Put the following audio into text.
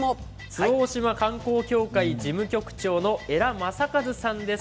周防大島観光協会事務局長の江良正和さんです。